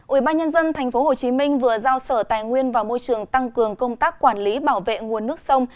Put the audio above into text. ủy ban nhân dân tp hcm vừa giao sở tài nguyên vào môi trường tăng cường công tác quản lý bảo vệ nguồn nước sông